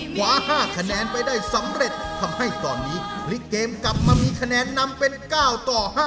ขวา๕คะแนนไปได้สำเร็จทำให้ตอนนี้พลิกเกมกลับมามีคะแนนนำเป็น๙ต่อ๕